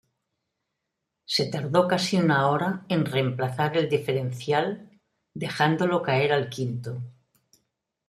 Se tardó casi una hora en reemplazar el diferencial, dejándolo caer al quinto.